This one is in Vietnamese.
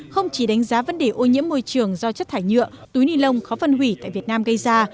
không chỉ đánh giá vấn đề ô nhiễm môi trường do chất thải nhựa túi ni lông khó phân hủy tại việt nam gây ra